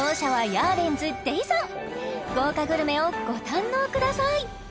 豪華グルメをご堪能ください